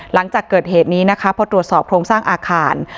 หลังจากเกิดเหตุนี้นะคะพอตรวจสอบโครงสร้างอาคาร